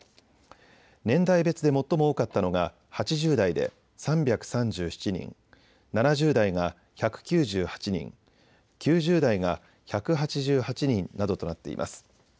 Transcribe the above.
年代別で最も多かったのが８０代で３３７人、７０代が１９８人、９０代が１８８人などとなっています。